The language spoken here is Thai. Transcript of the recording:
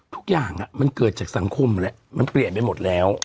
ทุกอย่างมันเกิดจากสังคมแหละมันเปลี่ยนไปหมดแล้ว